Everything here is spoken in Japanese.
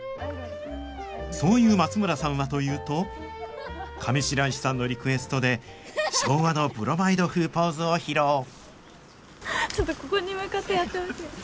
そういう松村さんはというと上白石さんのリクエストで昭和のブロマイド風ポーズを披露ちょっとここに向かってやってほしい。